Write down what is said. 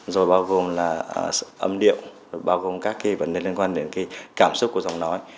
rồi bao gồm là âm điệu bao gồm các vấn đề liên quan đến cảm xúc của giọng nói